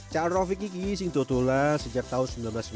cak rofik ini sing dodola sejak tahun seribu sembilan ratus sembilan puluh satu